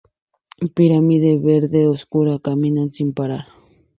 Pirámide Verde Oscuro: Caminan sin parar.